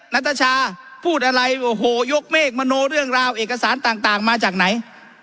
นัทชาพูดอะไรโอ้โหยกเมฆมโนเรื่องราวเอกสารต่างมาจากไหน